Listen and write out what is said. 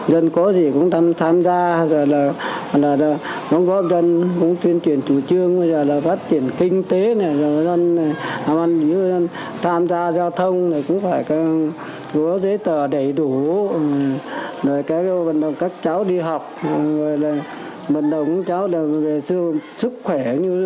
dân có gì cũng tham gia cũng góp dân cũng tuyên truyền chủ trương phát triển kinh tế tham gia giao thông cũng phải có giấy tờ đầy đủ các cháu đi học bận động cháu về sức khỏe